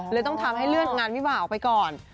ต้องทำให้เลื่อนงานวิวาออกไปก่อน